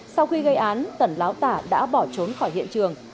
sau khi gây án tẩn láo tả đã bỏ trốn khỏi hiện trường